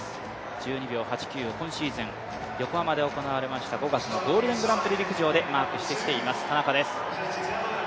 １２秒８９は今シーズン横浜で行われました５月のゴールデングランプリでマークしてきている田中です。